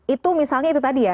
itu misalnya itu tadi ya